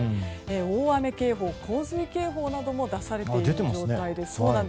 大雨警報、洪水警報も出されている状態です。